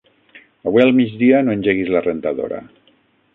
Avui al migdia no engeguis la rentadora.